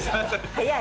早い。